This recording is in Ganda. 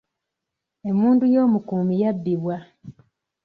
Emmundu y'omukuumi yabbibwa.